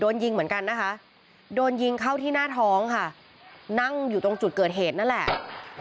โดนยิงเหมือนกันนะคะโดนยิงเข้าที่หน้าท้องค่ะนั่งอยู่ตรงจุดเกิดเหตุนั่นแหละ